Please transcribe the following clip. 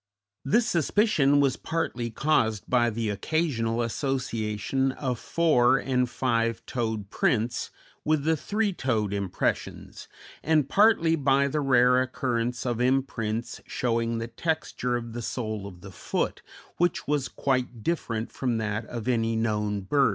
This suspicion was partly caused by the occasional association of four and five toed prints with the three toed impressions, and partly by the rare occurrence of imprints showing the texture of the sole of the foot, which was quite different from that of any known bird.